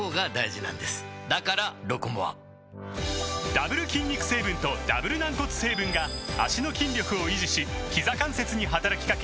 ダブル筋肉成分とダブル軟骨成分が脚の筋力を維持しひざ関節に働きかけ